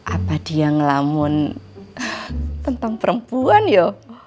apa dia ngelamun tentang perempuan ya